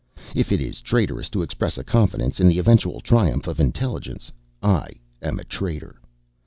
If it is traitorous to express a confidence in the eventual triumph of intelligence, I am a traitor.